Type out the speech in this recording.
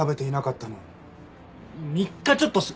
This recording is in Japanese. ３日ちょっとです。